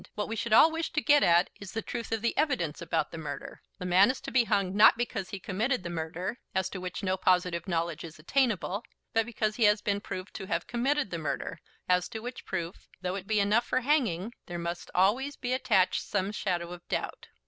What we should all wish to get at is the truth of the evidence about the murder. The man is to be hung not because he committed the murder, as to which no positive knowledge is attainable; but because he has been proved to have committed the murder, as to which proof, though it be enough for hanging, there must always be attached some shadow of doubt.